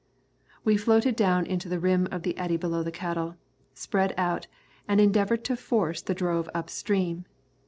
We floated down into the rim of the eddy below the cattle, spread out, and endeavoured to force the drove up stream.